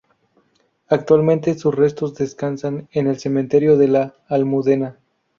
Actualmente sus restos descansan en el cementerio de la Almudena.